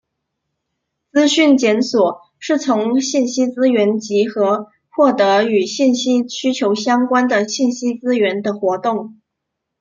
资讯检索是从信息资源集合获得与信息需求相关的信息资源的活动。